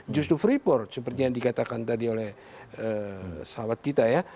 justru freeport seperti yang dikatakan tadi oleh sahabat kita ya